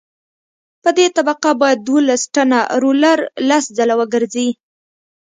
په دې طبقه باید دولس ټنه رولر لس ځله وګرځي